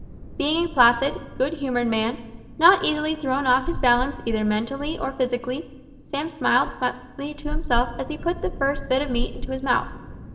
Being a placid, good humoured man, not easily thrown off his balance either mentally or physically, Sam smiled slightly to himself as he put the first bit of meat into his mouth.